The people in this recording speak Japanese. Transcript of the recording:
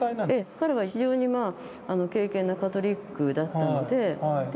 彼は非常にまあ敬けんなカトリックだったのでで